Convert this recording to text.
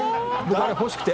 あれ欲しくて。